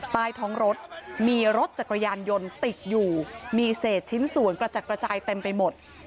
ใต้ท้องรถมีรถจักรยานยนต์ติดอยู่มีเศษชิ้นส่วนกระจัดกระจายเต็มไปหมด